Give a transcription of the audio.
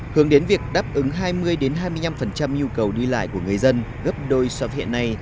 hướng đến việc đáp ứng hai mươi hai mươi năm nhu cầu đi lại của người dân gấp đôi so với hiện nay